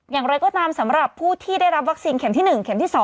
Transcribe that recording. อย่างไรก็ตามสำหรับผู้ที่ได้รับวัคซีนเข็มที่๑เข็มที่๒